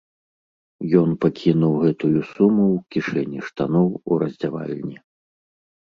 Ён пакінуў гэтую суму ў кішэні штаноў у раздзявальні.